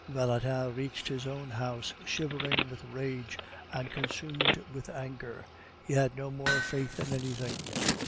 Valentin reached his own house shivering with rage and consumed with anger. He had no more faith in anything.